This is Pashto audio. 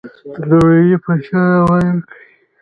د لومړني په شان عمل وکړئ.